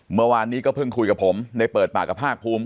เมื่อวานนี้ก็เพิ่งคุยกับผมได้เปิดปากกับภาคภูมิ